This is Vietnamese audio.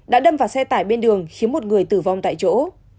đã đâm vào xe tải bên đường khiến một người tử vong tại chỗ